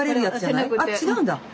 あ違うんだ。